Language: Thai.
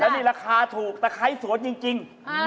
และนี่ลาคาถูกตะไคคสวนจริง